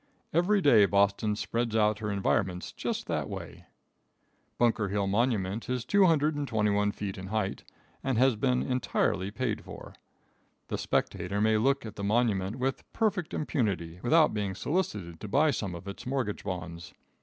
Every day Boston spreads out her environments just that way. Bunker Hill monument is 221 feet in height, and has been entirely paid for. The spectator may look at the monument with perfect impunity, without being solicited to buy some of its mortgage bonds.